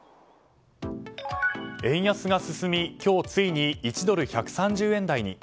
円安が進み、今日ついに１ドル＝１３０円台に。